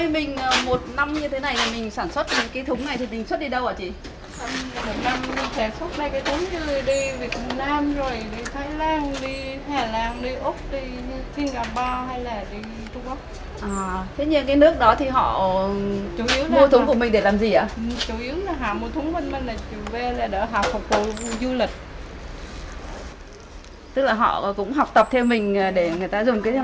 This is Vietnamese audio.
mình để người ta dùng cái này làm như một đơn thuyền